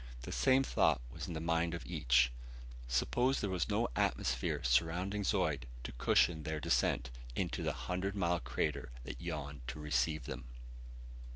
The same thought was in the mind of each. Suppose there were no atmosphere surrounding Zeud to cushion their descent into the hundred mile crater that yawned to receive them?